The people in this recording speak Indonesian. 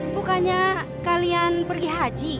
bukannya kalian pergi haji